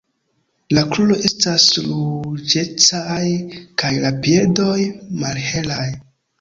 La kruroj estas ruĝecaj kaj la piedoj malhelaj.